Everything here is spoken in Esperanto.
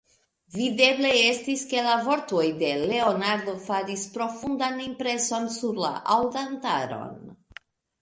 Videble estis, ke la vortoj de Leonardo faris profundan impreson sur la aŭdantaron.